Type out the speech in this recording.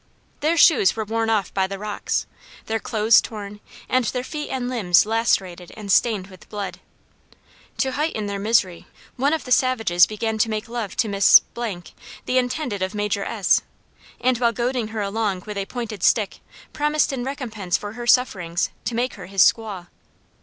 Their shoes were worn off by the rocks, their clothes torn, and their feet and limbs lacerated and stained with blood. To heighten their misery one of the savages began to make love to Miss , (the intended of Major S.) and while goading her along with a pointed stick, promised in recompense for her sufferings to make her his squaw.